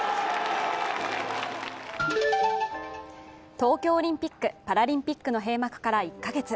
東京オリンピック・パラリンピックの閉幕から１カ月。